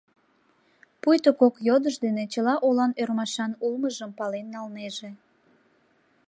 Пуйто кок йодыш дене чыла олан ӧрмашан улмыжым пален налнеже.